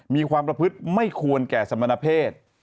มีความประพฤติไม่ควรแก่สมณเพศ